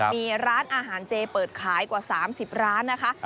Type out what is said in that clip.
มีร้านอาหารเจเปิดขายกว่า๓๐ร้านนะคะ